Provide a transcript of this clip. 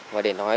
và để nói